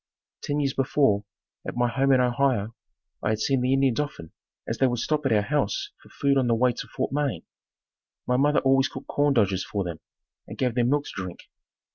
Ten years before, at my home in Ohio, I had seen the Indians often as they would stop at our house for food on the way to Fort Wayne. My mother always cooked corn dodgers for them and gave them milk to drink.